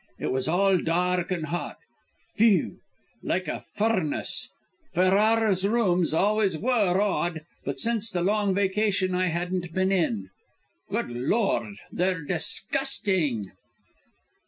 It was all dark and hot; phew! like a furnace. Ferrara's rooms always were odd, but since the long vacation I hadn't been in. Good lord, they're disgusting!"